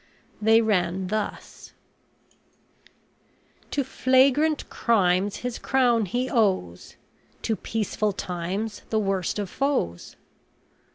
They ran thus: To flagrant crimes. His crown he owes, To peaceful times. The worst of foes.